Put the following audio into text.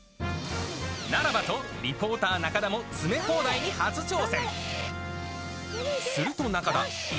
ならばと、リポーター、中田も詰め放題に初挑戦。